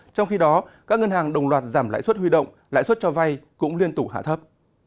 trong khi đó các ngân hàng đồng loạt giảm lãi suất huy động lãi suất cho vay cũng liên tục hạ thấp